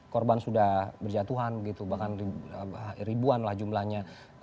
korban sudah berjatuhan gitu bahkan ribuan lah jumlahnya